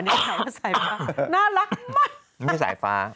น่ารักมากมันไม่ภายฟ้า